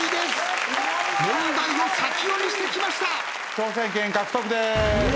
挑戦権獲得です。